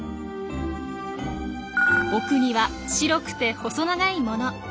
奥には白くて細長いもの。